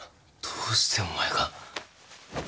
どうしてお前が？